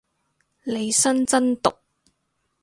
利申真毒